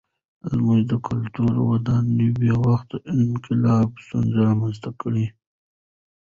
زموږ د کلتوري ودانیو بې وخته انقلاب ستونزې رامنځته کړې.